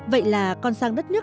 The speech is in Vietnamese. vậy là con sang đất nước